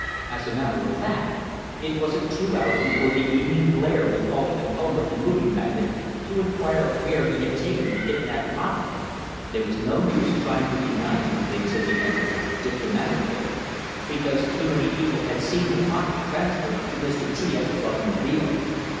As a matter of fact, it wasn't two hours before the "Evening Blare" was calling the home of the movie magnate to inquire where he had taken the kidnapped prophet; there was no use trying to deny anything, said the editor, diplomatically, because too many people had seen the prophet transferred to Mr. T S's automobile.